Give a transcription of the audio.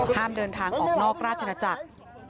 ห้ามเดินทางออกนอกราชนาจักร